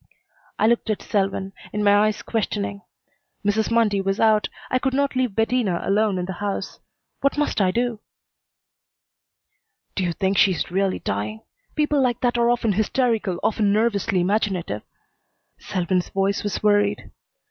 I looked at Selwyn, in my eyes questioning. Mrs. Mundy was out. I could not leave Bettina alone in the house. What must I do? "Do you think she is really dying? People like that are often hysterical, often nervously imaginative." Selwyn's voice was worried.